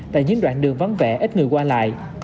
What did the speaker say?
tại những đoạn đường vắng vẻ ít người qua lại